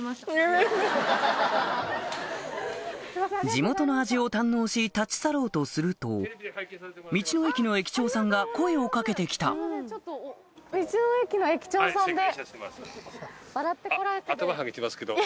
地元の味を堪能し立ち去ろうとすると道の駅の駅長さんが声を掛けて来たいやいやそんな。